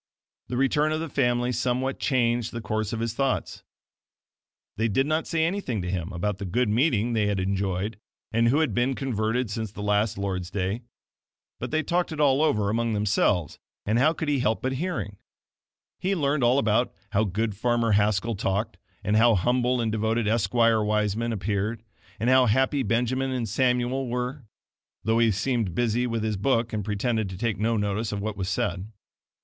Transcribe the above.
The return of the family somewhat changed the course of his thoughts. They did not say any thing to him about the good meeting they had enjoyed, and who had been converted since the last Lord's day; but they talked it all over among themselves, and how could he help hearing? He learned all about "how good farmer Haskell talked," and "how humble and devoted Esquire Wiseman appeared," and "how happy Benjamin and Samuel were"; though he seemed busy with his book and pretended to take no notice of what was said.